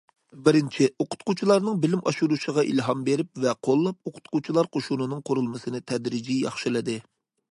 بىرىنچى، ئوقۇتقۇچىلارنىڭ بىلىم ئاشۇرۇشىغا ئىلھام بېرىپ ۋە قوللاپ، ئوقۇتقۇچىلار قوشۇنىنىڭ قۇرۇلمىسىنى تەدرىجىي ياخشىلىدى.